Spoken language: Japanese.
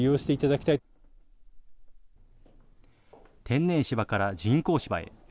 天然芝から人工芝へ。